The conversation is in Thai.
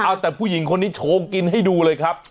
เอาแต่ผู้หญิงคนนี้โชว์กินให้ดูเลยครับ